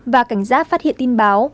và cảnh giác phát hiện tin báo